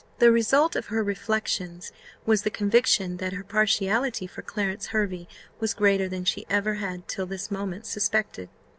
The result of her reflections was the conviction that her partiality for Clarence Hervey was greater than she ever had till this moment suspected.